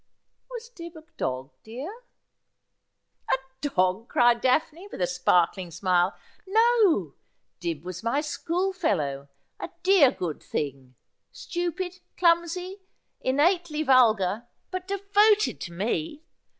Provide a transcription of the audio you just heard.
' Was Dibb a dog, dear ?'' A dog !' cried Daphne, with a sparkling smile. ' No, Dibb was my schoolfellow — a dear good thing— ^tupid, clumsy, in nately vulgar, but devoted to me.